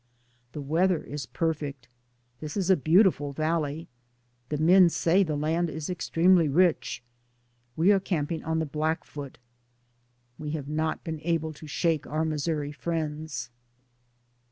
The weather is perfect. This is a beauti ful valley. The men say the land is ex DAYS ON THE ROAD. 241 tremely rich. We are camping on the Blackfoot. We have not been able to shake our Missouri friends.